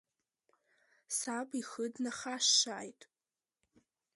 Саб ихы днахашшааит.